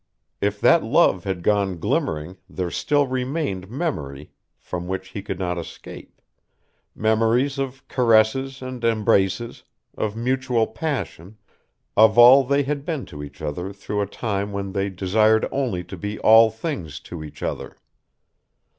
If that love had gone glimmering there still remained memory from which he could not escape, memories of caresses and embraces, of mutual passion, of all they had been to each other through a time when they desired only to be all things to each other.